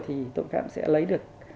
thì tội phạm sẽ lấy được